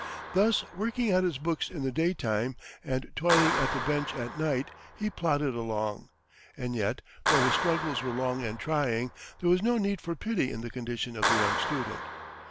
Thus, working at his books in the daytime, and toiling at the bench at night, he plodded along. And yet, though his struggles were long and trying, there was no need for pity in the condition of the young student.